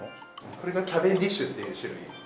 これがキャベンディッシュっていう種類。